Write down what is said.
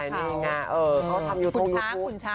ใช่นี่ไงเขาทำอยู่ที่ทุก